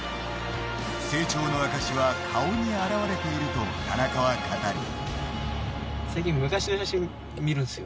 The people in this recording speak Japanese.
成長の証しは顔に表れていると田中は語る。